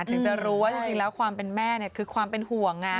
ถึงจะรู้ว่าจริงแล้วความเป็นแม่คือความเป็นห่วง